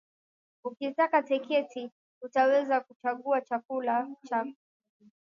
Ukikata tiketi, utaweza kuchagua chakula chako.